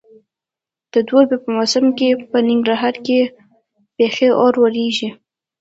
د دوبي په موسم کې په ننګرهار کې بیخي اور ورېږي.